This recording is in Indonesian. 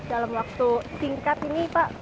dalam waktu singkat ini pak